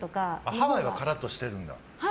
ハワイはカラッとしてるんだ。